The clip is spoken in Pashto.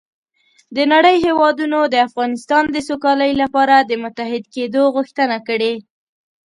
د نړۍ هېوادونو د افغانستان د سوکالۍ لپاره د متحد کېدو غوښتنه کړې